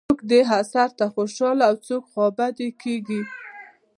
څوک دې اثر ته خوشاله او څوک خوابدي کېږي.